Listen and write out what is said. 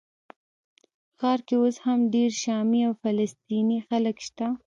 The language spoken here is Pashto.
ښار کې اوس هم ډېر شامي او فلسطیني خلک شته.